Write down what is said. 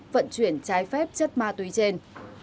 vận chuyển trái phép chất ma túy trên